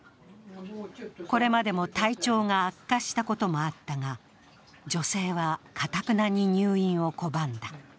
これまでも体調が悪化したこともあったが女性はかたくなに入院を拒んだ。